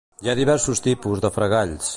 Hi ha diversos tipus de fregalls.